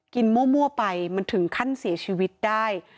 มั่วไปมันถึงขั้นเสียชีวิตได้